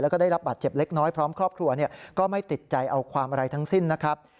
แล้วก็ได้รับบาดเจ็บเล็กน้อยพร้อมครอบครัวก็ไม่ติดใจเอาความอะไรทั้งสิ้นนะครับ